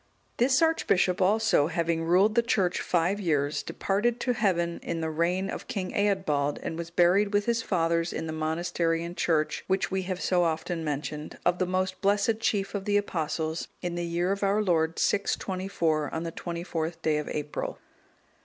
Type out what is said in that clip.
This archbishop also, having ruled the church five years, departed to heaven in the reign of King Eadbald, and was buried with his fathers in the monastery and church, which we have so often mentioned, of the most blessed chief of the Apostles, in the year of our Lord 624, on the 24th day of April.